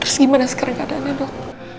terus gimana sekarang keadaannya dok